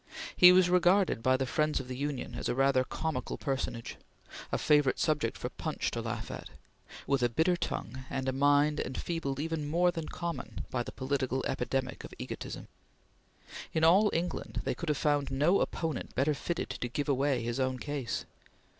He was regarded by the friends of the Union as rather a comical personage a favorite subject for Punch to laugh at with a bitter tongue and a mind enfeebled even more than common by the political epidemic of egotism. In all England they could have found no opponent better fitted to give away his own case.